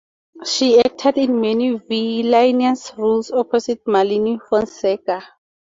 She acted in many villainous roles opposite Malini Fonseka.